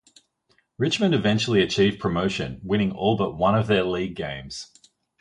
Richmond eventually achieved promotion, winning all but one of their League games.